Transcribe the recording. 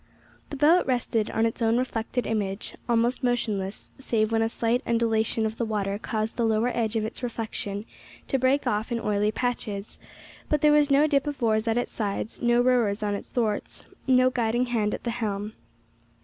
The boat rested on its own reflected image, almost motionless, save when a slight undulation of the water caused the lower edge of its reflection to break off in oily patches; but there was no dip of oars at its sides, no rowers on its thwarts, no guiding hand at the helm.